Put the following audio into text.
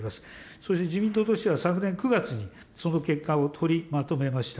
そして自民党としては、昨年９月にその結果を取りまとめました。